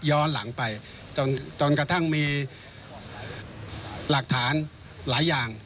ย้อนหลังไปจนกระทั่งมีหลักฐานหลายอย่าง